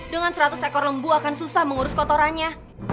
dengan seratus ekor lembu akan susah mengurus kotorannya